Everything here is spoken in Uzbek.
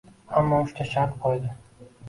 Ammo uchta shart qo`ydi